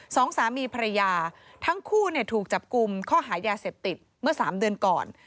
สองสามีภรรยาทั้งคู่ถูกจับกลุ่มข้อหายาเสพติดเมื่อสามเดือนก่อน